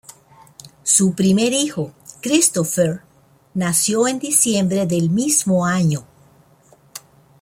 Su primer hijo, Christopher, nació en diciembre del mismo año.